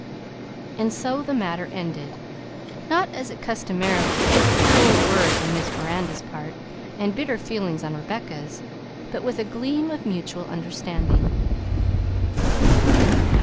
And so the matter ended, not as it customarily did, with cold words on Miss Miranda's part and bitter feelings on Rebecca's, but with a gleam of mutual understanding.